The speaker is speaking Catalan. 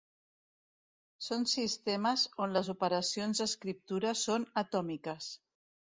Són sistemes on les operacions d'escriptura són atòmiques.